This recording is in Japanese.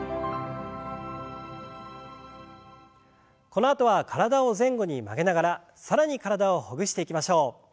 このあとは体を前後に曲げながら更に体をほぐしていきましょう。